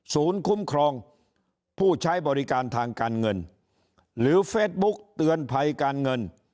คุ้มครองผู้ใช้บริการทางการเงินหรือเฟสบุ๊กเตือนภัยการเงิน